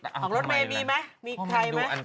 ของรถเมย์มีมั้ยมีใครมั้ย